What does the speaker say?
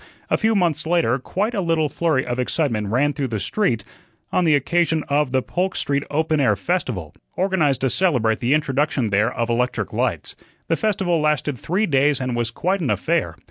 A few months later quite a little flurry of excitement ran through the street on the occasion of "The Polk Street Open Air Festival," organized to celebrate the introduction there of electric lights. The festival lasted three days and was quite an affair.